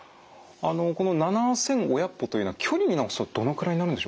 あのこの７，５００歩というのは距離に直すとどのくらいになるんでしょうかね？